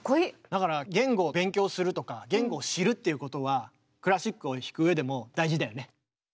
だから言語を勉強するとか言語を知るっていうことはクラシックを弾く上でも大事だよね。